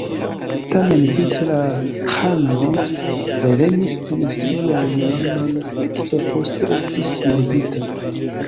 Tamen vintre la ĥano revenis en sian landon, kie poste estis murdita.